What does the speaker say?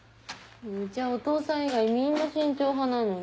うちはお父さん以外みんな慎重派なのに。